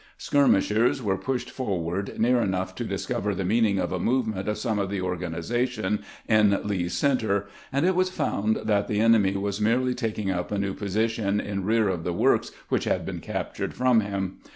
Skir mishers were pushed forward near enough to discover the meaning of a movement of some of the organizations in Lee's center, and it was found that the enemy was merely taking up a new position in rear of the works which had been captured from him.